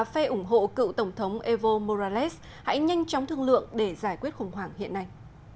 bộ cựu tổng thống evo morales hãy nhanh chóng thương lượng để giải quyết khủng hoảng hiện nay